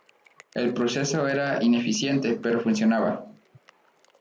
El proceso era ineficiente, pero funcionaba.